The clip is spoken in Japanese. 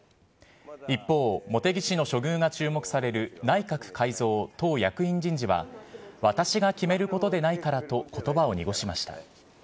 一方、茂木氏の処遇が注目される内閣改造・党役員人事は、私が決めることでないからと、ことばを濁しました。